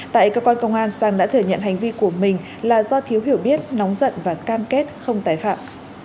tại cơ quan công an sang đã thừa nhận hành vi của mình là do thiếu hiểu biết nóng giận và cam kết không tái phạm